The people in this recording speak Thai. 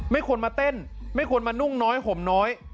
ไม่ควรมาเต้นไม่ควรมานุ่งน้อยห่มน้อย